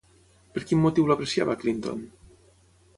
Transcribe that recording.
Per quin motiu l'apreciava Clinton?